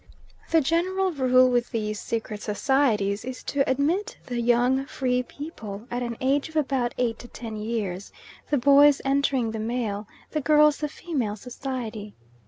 The general rule with these secret societies is to admit the young free people at an age of about eight to ten years, the boys entering the male, the girls the female society.